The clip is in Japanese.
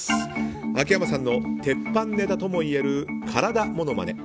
秋山さんの鉄板ネタともいえる体モノマネ。